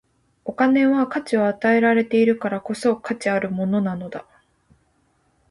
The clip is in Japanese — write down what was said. お金は価値を与えられているからこそ、価値あるものなのだ。